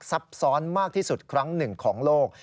ซับซ้อนมากที่สุดครั้งหนึ่งของโลก